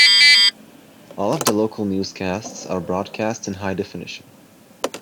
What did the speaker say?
All of the local newscasts are broadcast in high definition.